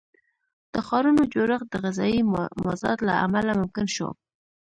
د ښارونو جوړښت د غذایي مازاد له امله ممکن شو.